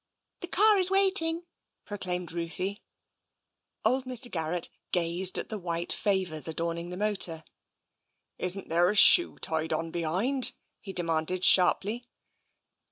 " The car is waiting," proclaimed Ruthie. Old Mr. Garrett gazed at the white favours adorn ing the motor. "Isn't there a shoe tied on behind?" he demanded sharply.